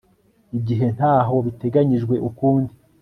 igihe ntaho biteganyijwe ukundi